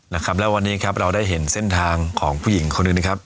นะครับแล้ววันนี้ครับเราได้เห็นเส้นทางของผู้หญิงคนหนึ่งนะครับ